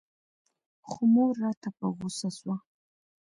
خو مور راته په غوسه سوه.